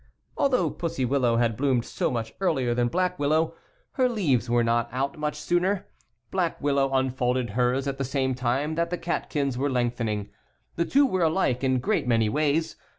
Although Pussy Willow had bloomed so much earlier than Black Willow, her leaves were not out 12 much sooner. Black Willow unfolded hers at the same time that the catkins were lengthening. The two were alike in a great many ways.